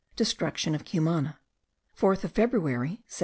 Destruction of Cumana. 4th of February, 1797.